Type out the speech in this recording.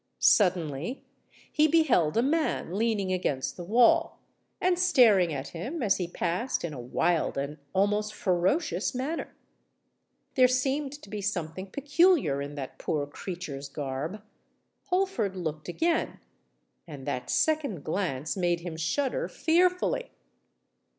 Suddenly he beheld a man leaning against the wall, and staring at him as he passed in a wild and almost ferocious manner. There seemed to be something peculiar in that poor creature's garb:—Holford looked again—and that second glance made him shudder fearfully!